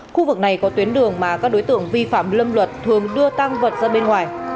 khu vực này có tuyến đường mà các đối tượng vi phạm lâm luật thường đưa tăng vật ra bên ngoài